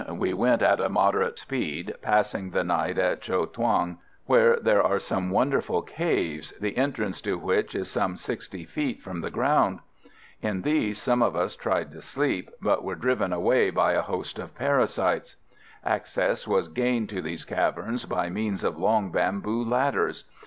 We went at a moderate speed, passing the night at Cho Thuong, where there are some wonderful caves, the entrance to which is some 60 feet from the ground. In these some of us tried to sleep, but were driven away by a host of parasites. Access was gained to these caverns by means of long bamboo ladders.